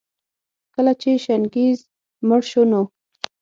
کله چي چنګېز مړ شو نو